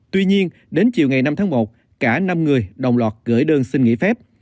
tuy nhiên đến chiều ngày năm tháng một cả năm người đồng loạt gửi đơn xin nghỉ phép